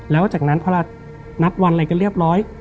แล้วจากนั้นพอเรานัดวันอะไรกันเรียบร้อย